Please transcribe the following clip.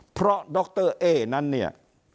เพราะดรเอ๊นั้นเนี่ย